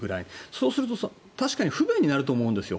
そうすると確かに不便になると思うんですよ。